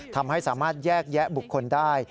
ทำให้สามารถแยกแยะบุคคลได้